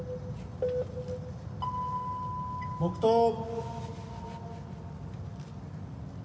・黙とう。